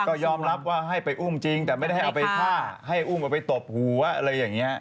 ก็ยอมรับว่าให้ไปอุ้มจริงแต่ไม่ได้ให้เอาไปฆ่าให้อุ้มเอาไปตบหัวอะไรอย่างนี้